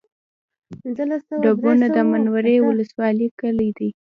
ډبونه د منورې ولسوالۍ کلی دی